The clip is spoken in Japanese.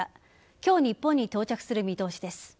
今日、日本に到着する見通しです。